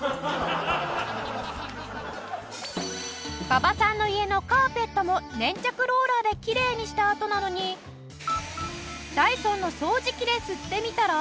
馬場さんの家のカーペットも粘着ローラーできれいにしたあとなのにダイソンの掃除機で吸ってみたら。